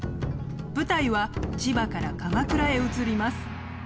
舞台は千葉から鎌倉へ移ります。